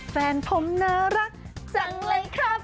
แฟนผมน่ารักจังเลยครับ